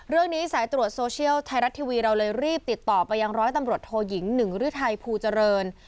เรื่องนี้สายตรวจโซเชียลไทยรัฐทีวีเราเลยรีบติดต่อไปยังร้อยตำรวจโทยิงหนึ่งฤทัยภูเจริญ